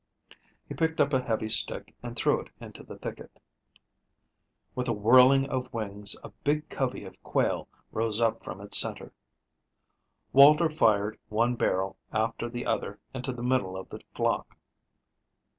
He picked up a heavy stick and threw it into the thicket. With a whirling of wings a big covey of quail rose up from its center. Walter fired one barrel after the other into the middle of the flock.